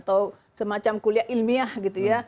atau semacam kuliah ilmiah gitu ya